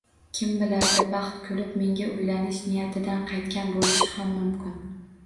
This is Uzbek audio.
Kim biladi, baxt kulib menga uylanish niyatidan qaytgan bo`lishi ham mumkin